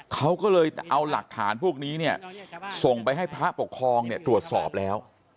เขาก็เลยเอาหลักฐานพวกนี้เนี่ยส่งไปให้พระปกครองตรวจสอบแล้ว